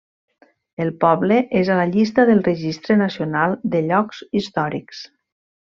El poble és a la llista del Registre Nacional de Llocs Històrics.